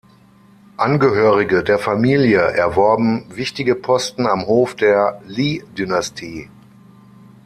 Angehörige der Familie erworben wichtige Posten am Hof der Lý-Dynastie.